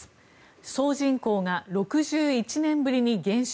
総人口が６１年ぶりに減少。